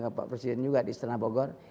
ke pak presiden juga di istana bogor